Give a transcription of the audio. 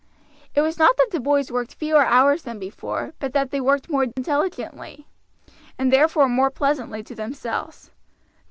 It was not that the boys worked fewer hours than before, but that they worked more intelligently, and therefore more pleasantly to themselves.